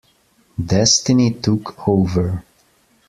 Destiny took over.